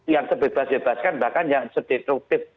yang sebebas bebaskan bahkan yang sedetruktif